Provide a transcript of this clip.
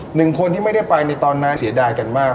หนึ่งคนที่ไม่ได้ไปในตอนนั้นเสียดายกันมาก